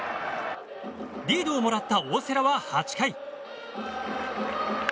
リードをもらった大瀬良は８回。